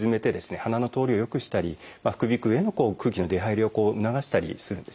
鼻の通りを良くしたり副鼻腔への空気の出入りを促したりするんですね。